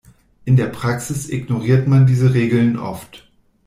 In der Praxis ignoriert man diese Regeln oft.